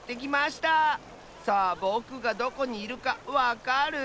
さあぼくがどこにいるかわかる？